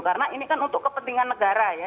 karena ini kan untuk kepentingan negara ya